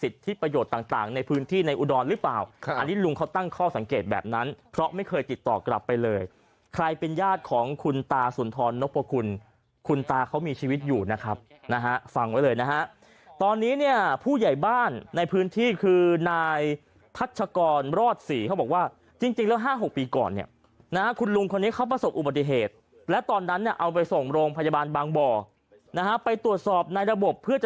ต่างในพื้นที่ในอุดรหรือเปล่าอันนี้ลุงเขาตั้งข้อสังเกตแบบนั้นเพราะไม่เคยติดต่อกลับไปเลยใครเป็นญาติของคุณตาสุนทรนกประคุณคุณตาเขามีชีวิตอยู่นะครับฟังไว้เลยนะฮะตอนนี้ผู้ใหญ่บ้านในพื้นที่คือนายทัชกรรอดศรีเขาบอกว่าจริงแล้ว๕๖ปีก่อนคุณลุงคนนี้เขาประสบอุบ